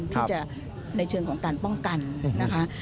ที่จะในเชิงของการป้องกันนะคะ